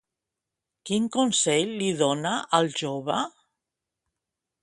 Quin consell li dona al jove?